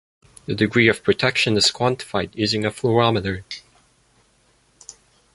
The degree of protection is quantified using a fluorometer.